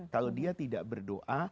kalau dia tidak berdoa